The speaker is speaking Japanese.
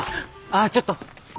あちょっと。